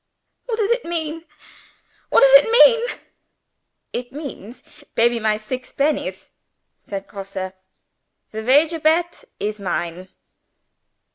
what does it mean? what does it mean?" "It means pay me my six pennies!" said Grosse. "The wager bet is mine!"